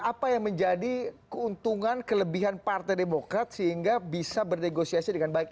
apa yang menjadi keuntungan kelebihan partai demokrat sehingga bisa bernegosiasi dengan baik